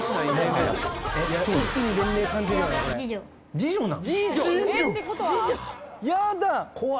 次女なん？